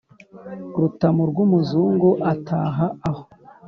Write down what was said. Rutamu rw'umuzungu ataha aho.